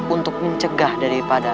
untuk mencegah daripada